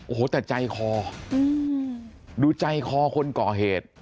โอ้โหแต่ใจคอดูใจคอคนก่อเหตุ